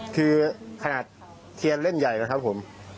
คือขนาดเทียนเล่นใหญ่กว่าครับผม